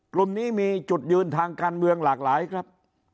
กลุ่มนี้มีจุดยืนทางการเมืองหลากหลายครับ